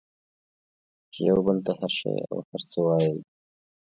چې یو بل ته هر شی او هر څه وایئ